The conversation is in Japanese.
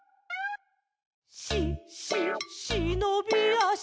「し・し・しのびあし」